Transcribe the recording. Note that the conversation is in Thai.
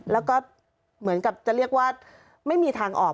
แล้วก็เหมือนกับจะเรียกว่าไม่มีทางออก